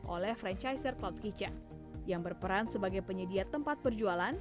oleh franchiser cloud kitchen yang berperan sebagai penyedia tempat perjualan